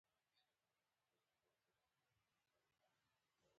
احمد سږ کال سل په سلو کې په ټولګي کې اول نمرګي نیسي.